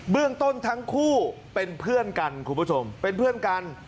เรื่องต้นทั้งคู่เป็นเพื่อนกันคุณผู้ชมเป็นเพื่อนกัน